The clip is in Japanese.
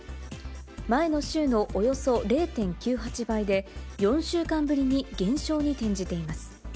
前の週のおよそ０．９８倍で、４週間ぶりに減少に転じています。